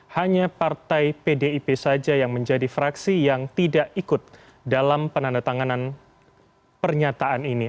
hanya partai pdip saja yang menjadi fraksi yang tidak ikut dalam penandatanganan pernyataan ini